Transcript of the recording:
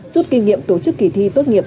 giúp kinh nghiệm tổ chức kỳ thi tốt nghiệp